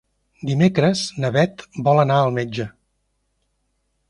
Dimecres na Beth vol anar al metge.